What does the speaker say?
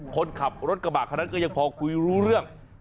คนขับรถกระบะคนนั้นก็ยังพอคุยรู้เรื่อง